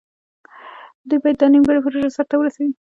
دوی باید دا نیمګړې پروژه سر ته ورسوي.